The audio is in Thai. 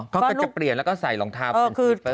เขาก็จะเปลี่ยนแล้วก็ใส่รองเท้าสลิปเปอร์